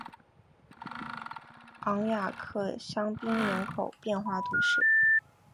昂雅克香槟人口变化图示